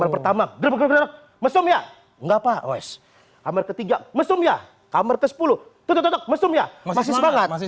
pertama mesum ya enggak pak os kamar ketiga mesum ya kamar ke sepuluh tetap mesum ya masih semangat masih